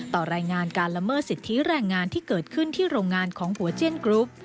รายงานการละเมิดสิทธิแรงงานที่เกิดขึ้นที่โรงงานของหัวเจียนกรุ๊ป